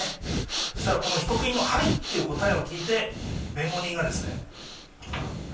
そしたら被告人の「はい」って答えを聞いて弁護人が。